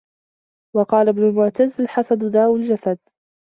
وَقَالَ ابْنُ الْمُعْتَزِّ الْحَسَدُ دَاءُ الْجَسَدِ